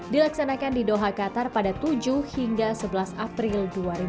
dilaksanakan di doha qatar pada tujuh hingga sebelas april dua ribu dua puluh